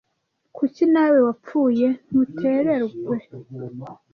Kuki nawe wapfuye ntutererwe?